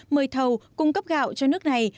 mời thầu cung cấp gạo cho nước này